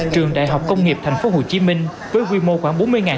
trường đại học công nghiệp tp hcm với quy mô khoảng bốn mươi sinh viên